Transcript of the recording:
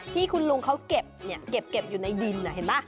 ที่คุณลุงเขาเก็บเนี่ยเก็บอยู่ในดินเห็นป่ะ